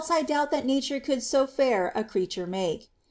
1 doubt tliat nature could So fair a creature make.'